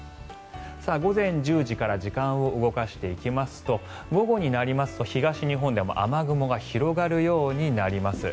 午前１０時から時間を動かしていきますと午後になりますと東日本では雨雲が広がるようになります。